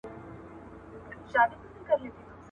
• اوړه يو مټ نه لري، تنورونه ئې شل دي.